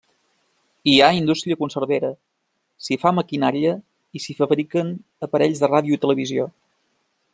Hi ha indústria conservera, s'hi fa maquinària i s'hi fabriquen aparells de ràdio i televisió.